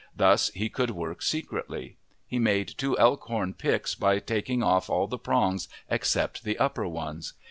Thus he could work secretly. He made two elk horn picks by taking off all the prongs except the upper ones.